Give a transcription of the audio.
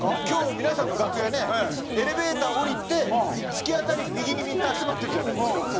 今日皆さんの楽屋ねエレベーター降りて突き当たり右にみんな集まってるじゃないですか。